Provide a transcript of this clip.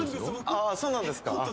そうなんですか。